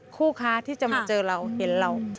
คู่ค้าที่จะมาเจอเราเห็นเรา